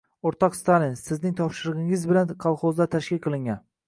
O'rtoq Stalin, sizning topshirig'ingiz bilan kolxozlar tashkil qilingan